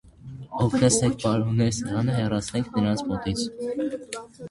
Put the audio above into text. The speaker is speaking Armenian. - Օգնեցեք, պարոններ, սեղանը հեռացնենք նրանց մոտից: